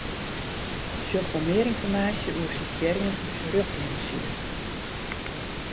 Sjoch foar mear ynformaasje oer sitearjen ús Rjochtlineside.